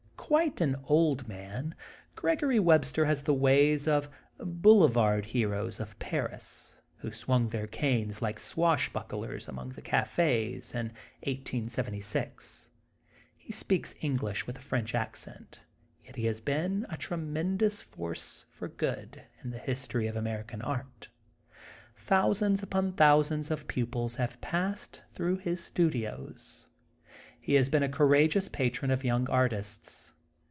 Quite an old man, Gregory Webster has the ways of boulevard heroes of Paris who swung their canes like swashbucklers, among the cafes, in 1876. He speaks English with a French accent. Yet he has been a tre mendous force for good in the history of American Art. Thousands upon thousands of pupils have passed through his studios. He has been a courageous patron of young artists.